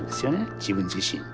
自分自身に。